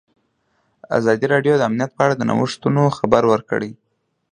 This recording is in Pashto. ازادي راډیو د امنیت په اړه د نوښتونو خبر ورکړی.